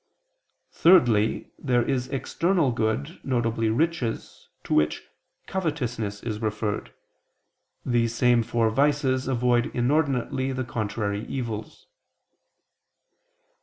_ Thirdly, there is external good, viz. riches, to which covetousness is referred. These same four vices avoid inordinately the contrary evils.